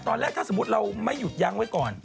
ตอนแรกถ้าสมมุติเราไม่หยุดยั้งไว้ก่อน